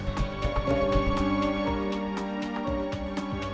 kamu tidak memiliki nafsu